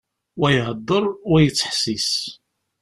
Wa ihedder, wa yettḥessis.